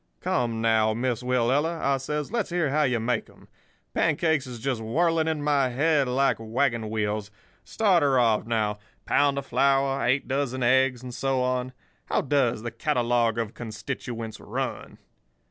'Come, now, Miss Willella,' I says; 'let's hear how you make 'em. Pancakes is just whirling in my head like wagon wheels. Start her off, now—pound of flour, eight dozen eggs, and so on. How does the catalogue of constituents run?